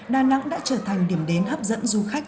đà nẵng đã trở thành điểm đến hấp dẫn du khách